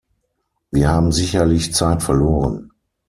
Wir haben sicherlich Zeit verloren.